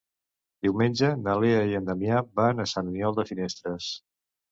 Diumenge na Lea i en Damià van a Sant Aniol de Finestres.